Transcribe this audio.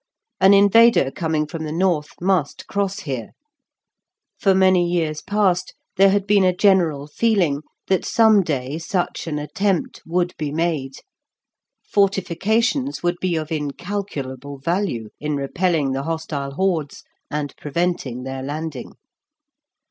An invader coming from the north must cross here; for many years past there had been a general feeling that some day such an attempt would be made. Fortifications would be of incalculable value in repelling the hostile hordes and preventing their landing.